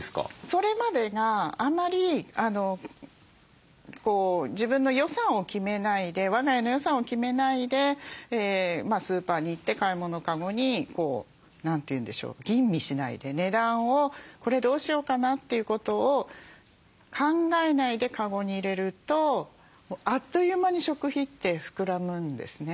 それまでがあまり自分の予算を決めないで我が家の予算を決めないでスーパーに行って買い物カゴに何て言うんでしょう吟味しないで値段をこれどうしようかなということを考えないでカゴに入れるとあっという間に食費って膨らむんですね。